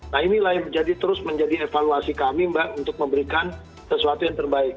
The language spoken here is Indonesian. nah inilah yang terus menjadi evaluasi kami mbak untuk memberikan sesuatu yang terbaik